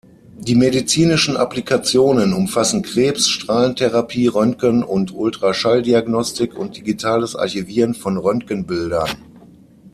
Die medizinischen Applikationen umfassen Krebs-Strahlentherapie, Röntgen- und Ultraschall-Diagnostik und digitales Archivieren von Röntgenbildern.